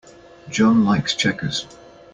John likes checkers.